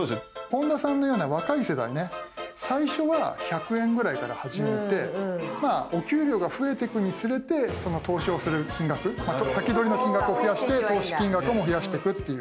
本田さんのような若い世代ね最初は１００円ぐらいから始めてお給料が増えてくにつれてその投資をする金額「先取りの金額」を増やして投資金額も増やしてくっていうね。